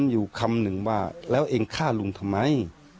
อยู่คำหนึ่งว่าแล้วเองฆ่าลุงทำไม